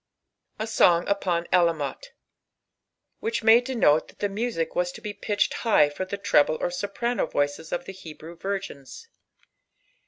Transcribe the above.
A Song upon Alamolb. Which may denote Uiai Ike music teas to be pitched high for the trejiti or st^rano voices qf the Hdirevi virgins.